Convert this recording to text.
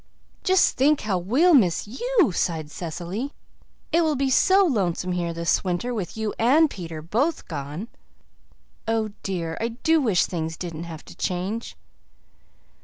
"Just think how WE'LL miss YOU," sighed Cecily. "It will be so lonesome here this winter, with you and Peter both gone. Oh, dear, I do wish things didn't have to change."